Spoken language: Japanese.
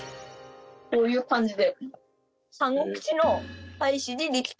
こういう感じで。